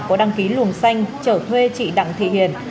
có đăng ký luồng xanh trở thuê chị đặng thị hiền